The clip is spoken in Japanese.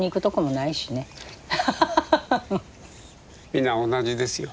皆同じですよ。